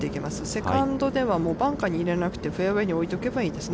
セカンドでは、バンカーに入れなくて、フェアウェイに置いておけばいいです。